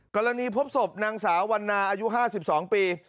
พบศพนางสาววันนาอายุ๕๒ปี